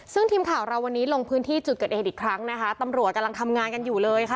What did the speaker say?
ซึ่งทีมข่าวเราวันนี้ลงพื้นที่จุดเกิดเหตุอีกครั้งนะคะตำรวจกำลังทำงานกันอยู่เลยค่ะ